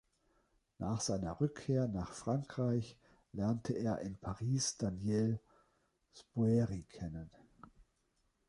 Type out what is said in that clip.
Nach seiner Rückkehr nach Frankreich lernte er in Paris Daniel Spoerri kennen.